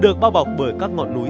được bao bọc bởi các ngọn núi